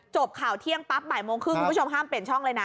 จบข่าวเที่ยงปั๊บบ่ายโมงครึ่งคุณผู้ชมห้ามเปลี่ยนช่องเลยนะ